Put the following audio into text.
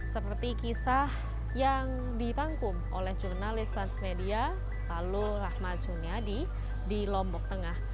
seperti kisah yang dirangkum oleh jurnalis transmedia lalo rahmat jumyadi di lombok tengah